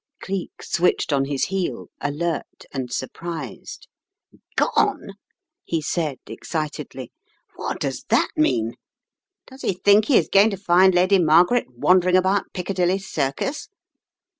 Cleek switched on his heel, alert and surprised. " Gone !" he said excitedly "What does that mean? Does he think he is going to find Lady Margaret wan dering about Piccadilly Circus?